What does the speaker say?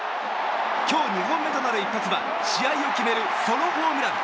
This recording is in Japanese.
今日２本目となる一発は試合を決めるソロホームラン！